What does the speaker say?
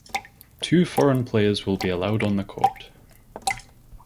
Two foreign players will be allowed on the court.